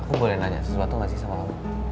aku boleh nanya sesuatu nggak sih sama kamu